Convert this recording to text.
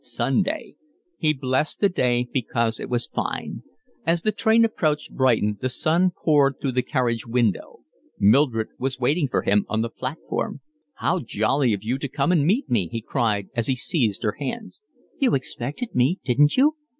Sunday. He blessed the day because it was fine. As the train approached Brighton the sun poured through the carriage window. Mildred was waiting for him on the platform. "How jolly of you to come and meet me!" he cried, as he seized her hands. "You expected me, didn't you?"